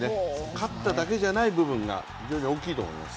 勝っただけじゃない部分が非常に大きいと思います。